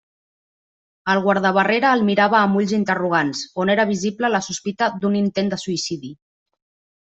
El guardabarrera el mirava amb ulls interrogants, on era visible la sospita d'un intent de suïcidi.